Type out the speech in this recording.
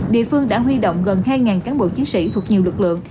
địa phương đã huy động gần hai cán bộ chiến sĩ thuộc nhiều lực lượng